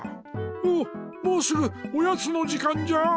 おっもうすぐおやつの時間じゃ！